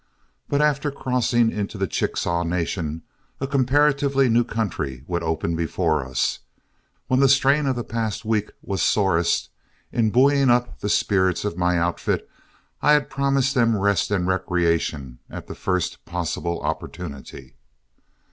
But after crossing into the Chickasaw Nation, a comparatively new country would open before us. When the strain of the past week was sorest, in buoying up the spirits of my outfit, I had promised them rest and recreation at the first possible opportunity.